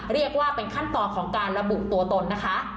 เรียกว่าเป็นขั้นตอนของการระบุตัวตนนะคะ